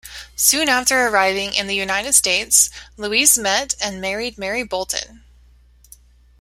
Soon after arriving in the United States, Louis met and married Mary Bolton.